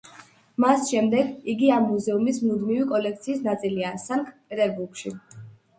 მას შემდეგ იგი ამ მუზეუმის მუდმივი კოლექციის ნაწილია სანქტ-პეტერბურგში.